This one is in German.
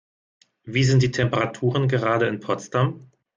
Wie sind die Temperaturen gerade in Potsdam?